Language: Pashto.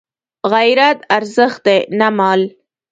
غیرت ارزښت دی نه مال